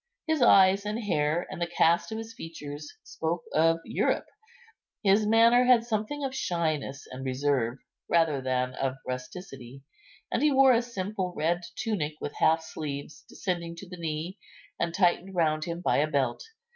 His eyes and hair and the cast of his features spoke of Europe; his manner had something of shyness and reserve, rather than of rusticity; and he wore a simple red tunic with half sleeves, descending to the knee, and tightened round him by a belt.